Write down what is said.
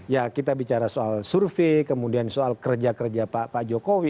ya kita bicara soal survei kemudian soal kerja kerja pak jokowi